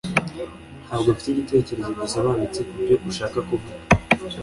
Ntabwo mfite igitekerezo gisobanutse kubyo ushaka kuvuga.